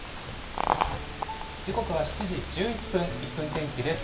時刻は７時１１分、１分天気です。